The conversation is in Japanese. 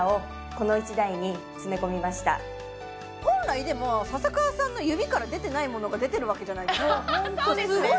本来でも笹川さんの指から出てないものが出てるわけじゃないですかそうですね！